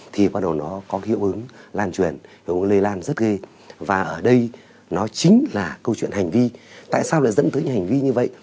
thì bắt đầu nó có hiệu ứng lan truyền hiệu lây lan rất ghê và ở đây nó chính là câu chuyện hành vi tại sao lại dẫn tới những hành vi như vậy